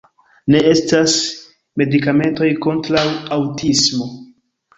Ne estas medikamentoj kontraŭ aŭtismo.